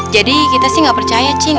jadi kita sih gak percaya cing